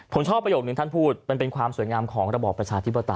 ผมชอบประโยคนึงท่านพูดมันเป็นความสวยงามของระบอบประชาธิปไตย